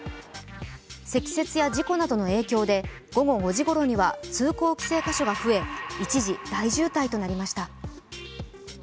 積雪や事故などの影響で午後５時ごろには通行規制箇所が増え一時、大渋滞となりました。